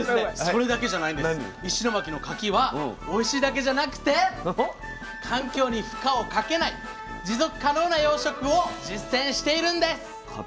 石巻のかきはおいしいだけじゃなくて環境に負荷をかけない持続可能な養殖を実践しているんです。